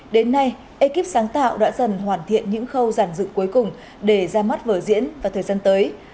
đến nay ekip sáng tạo đã dần hoàn thiện những khâu giản dự cuối cùng để ra mắt vở diễn vào thời gian tới